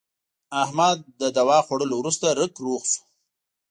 احمد له دوا خوړلو ورسته رک روغ شو.